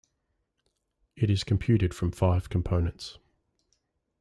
It is computed from five components.